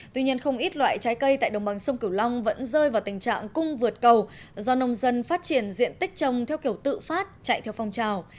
tuy nhiên không ít loại trái cây tại đồng bằng sông cửu long vẫn rơi vào tình trạng cung vượt cầu do nông dân phát triển diện tích trồng theo kiểu tự phát chạy theo phong trào